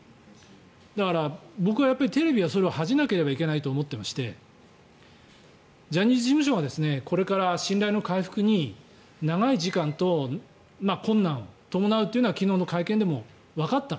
だから僕はテレビはそれを恥じないといけないと思っていましてジャニーズ事務所はこれから信頼の回復に長い時間と困難を伴うというのは昨日の会見でもわかった。